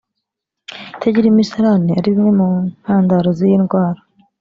itagira imisarani ari bimwe mu ntandaro z’iyi ndwara